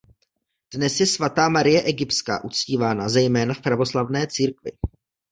Dnes je svatá Marie Egyptská uctívána zejména v pravoslavné církvi.